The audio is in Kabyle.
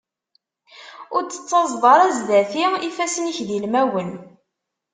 Ur d-tettaẓeḍ ara zdat-i ifassen-ik d ilmawen.